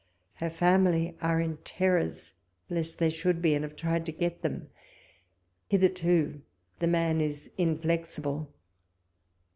Her family are in terrors lest they should be, and have tried to get them : hitherto the man is inflexible.